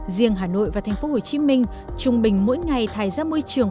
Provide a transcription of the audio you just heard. riêng hà nội và tp hcm trung bình mỗi ngày thải ra môi trường